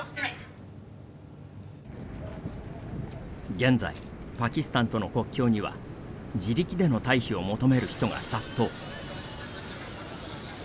現在、パキスタンとの国境には自力での退避を求める人が殺到。